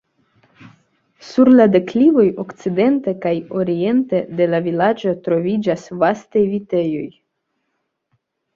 Sur la deklivoj okcidente kaj oriente de la vilaĝo troviĝas vastaj vitejoj.